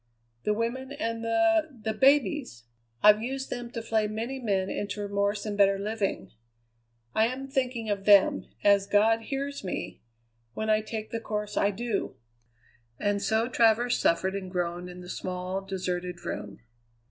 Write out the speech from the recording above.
The women and the the babies. I've used them to flay many men into remorse and better living. I am thinking of them, as God hears me, when I take the course I do!" And so Travers suffered and groaned in the small, deserted room.